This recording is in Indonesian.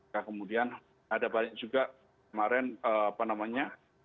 nah kemudian ada banyak juga kemarin apa namanya